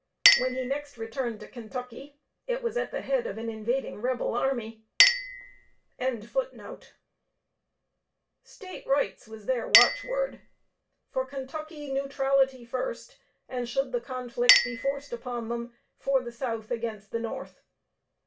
When he next returned to Kentucky, it was at the head of an invading Rebel army. [Sidenote: WHAT REBEL LEADERS PRETENDED.] "State Rights" was their watchword. "For Kentucky neutrality," first; and, should the conflict be forced upon them, "For the South against the North."